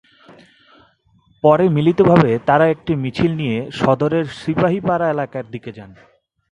পরে মিলিতভাবে তাঁরা একটি মিছিল নিয়ে সদরের সিপাহীপাড়া এলাকার দিকে যান।